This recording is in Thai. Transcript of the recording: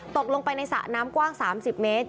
ตกลงไปในสระน้ำกว้าง๓๐เมตร